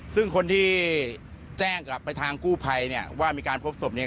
ซึ่งคนที่แจ้งไปทางกู้ภัยว่ามีการพบศพนี่